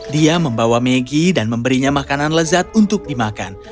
dia membawa maggie dan memberinya makanan lezat untuk dimakan